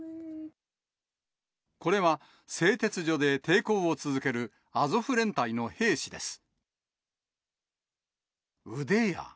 これは、製鉄所で抵抗を続けるアゾフ連隊の兵士です。